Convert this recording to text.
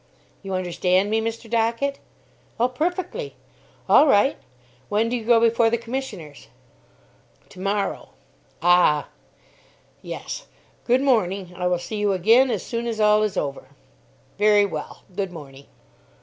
"You understand me, Mr. Dockett?" "Oh, perfectly! all right; when do you go before the commissioners?" "To morrow." "Ah?" "Yes good morning. I will see you again as soon as all is over." "Very well good morning."